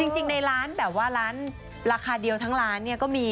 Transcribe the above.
จริงในร้านแบบว่าร้านราคาเดียวทั้งร้านเนี่ยก็มี